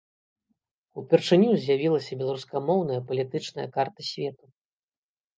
Упершыню з'явілася беларускамоўная палітычная карта свету.